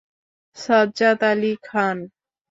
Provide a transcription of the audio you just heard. Sajjad Ali Khan.